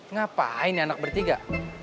ngapain nih anak bertiga